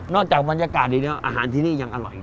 จากบรรยากาศดีแล้วอาหารที่นี่ยังอร่อย